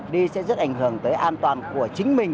đi sẽ rất ảnh hưởng tới an toàn của chính mình